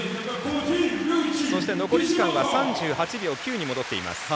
そして残り時間は３８秒９に戻っています。